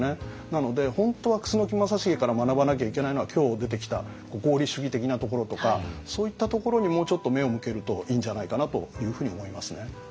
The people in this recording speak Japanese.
なので本当は楠木正成から学ばなきゃいけないのは今日出てきた合理主義的なところとかそういったところにもうちょっと目を向けるといいんじゃないかなというふうに思いますね。